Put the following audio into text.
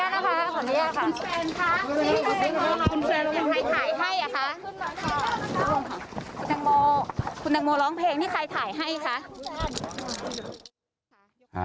ฟังอะไรครับขออนุญาตค่ะคุณแซนอยากไปขอโทษคุณแม่ไหมค่ะ